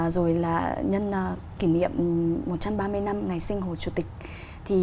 rồi là nhân kỷ niệm một trăm ba mươi năm ngày sinh hồ chủ tịch